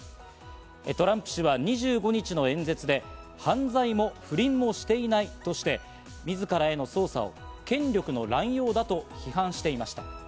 トランプ氏は２５日の演説で、犯罪も不倫もしていないとして、自らへの捜査を権力の乱用だと批判していました。